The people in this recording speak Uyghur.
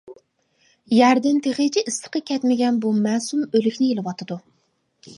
يەردىن تېخىچە ئىسسىقى كەتمىگەن بۇ مەسۇم ئۆلۈكنى ئېلىۋاتىدۇ.